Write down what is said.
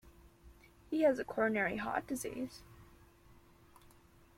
He has coronary heart disease.